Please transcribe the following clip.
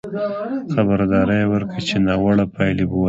خبرداری یې ورکړ چې ناوړه پایلې به ولري.